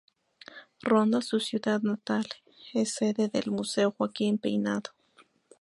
Ronda, su ciudad natal, es sede del Museo Joaquín Peinado.